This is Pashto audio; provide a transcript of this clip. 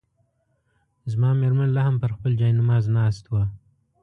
زما مېرمن لا هم پر خپل جاینماز ناست وه.